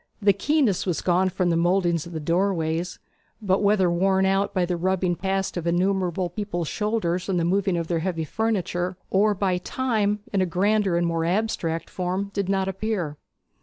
The keenness was gone from the mouldings of the doorways, but whether worn out by the rubbing past of innumerable people's shoulders, and the moving of their heavy furniture, or by Time in a grander and more abstract form, did not appear.